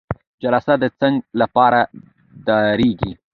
جلسه د څه لپاره دایریږي؟